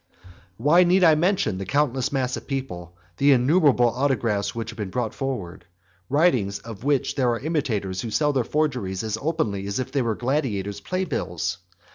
XXXVIII. Why need I mention the countless mass of papers, the innumerable autographs which have been brought forward? writings of which there are imitators who sell their forgeries as openly as if they were gladiators' playbills.